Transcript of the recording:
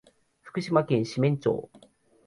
福岡県志免町